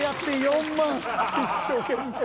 一生懸命。